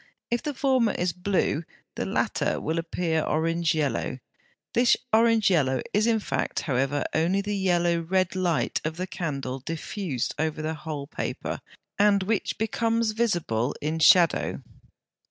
If the former is blue the latter will appear orange yellow: this orange yellow is in fact, however, only the yellow red light of the candle diffused over the whole paper, and which becomes visible in shadow.